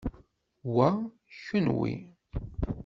Wa, kenwi.